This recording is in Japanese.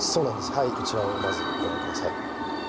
はいこちらをまずご覧ください